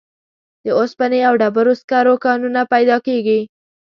د اوسپنې او ډبرو سکرو کانونه پیدا کیږي.